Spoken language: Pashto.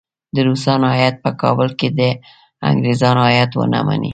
د روسانو هیات په کابل کې وي د انګریزانو هیات ونه مني.